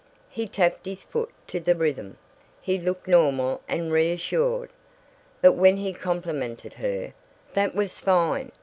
He tapped his foot to the rhythm; he looked normal and reassured. But when he complimented her, "That was fine.